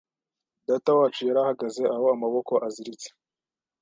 Datawacu yari ahagaze aho amaboko aziritse.